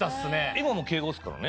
今も敬語ですからね